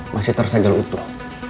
masih tersajal utuh